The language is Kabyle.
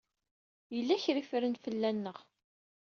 Yella kra i ffren fell-aneɣ.